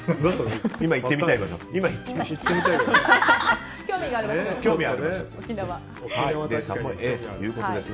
今行ってみたいです。